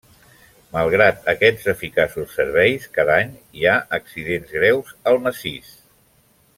Malgrat aquests eficaços serveis, cada any hi ha accidents greus al massís.